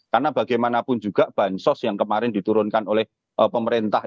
karena bagaimanapun juga bansos yang kemarin diturunkan oleh pemerintah